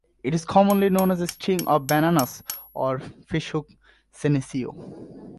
It is commonly known as string of bananas or fishhook senecio.